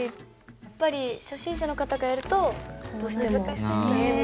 やっぱり初心者の方がやるとどうしても難しいんだ。